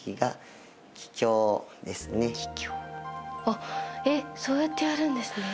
あっえっそうやってやるんですね。